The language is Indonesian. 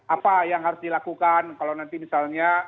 apa yang harus dilakukan kalau nanti misalnya